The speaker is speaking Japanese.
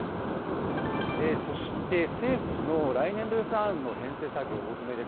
そして、政府の来年度予算案の編成作業、大詰めです。